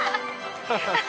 ハハハハ！